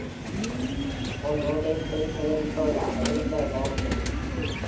ஹோலோடைப்பை சேகரிப்பவராக இருந்த நோர்வில்.